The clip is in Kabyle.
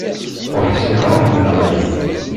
Ur ḥṣiɣ ara ḥemleɣ aya.